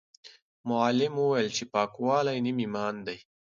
معلم وویل چې پاکوالی نیم ایمان دی.